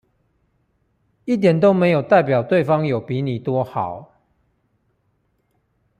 一點都沒有代表對方有比你多好